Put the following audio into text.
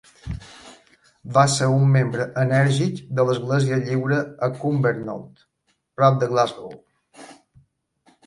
Va ser un membre enèrgic de l'Església Lliure a Cumbernauld, prop de Glasgow.